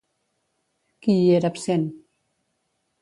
Qui hi era absent?